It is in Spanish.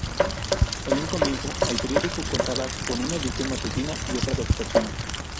En un comienzo, el periódico contaba con una edición matutina y otra vespertina.